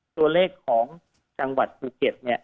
ตัวเลขของจังหวัดภูเก็ต